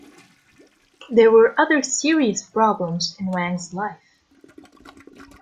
There were other serious problems in Wang's life.